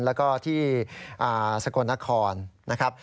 แล้วก็ที่สกลนครนะครับ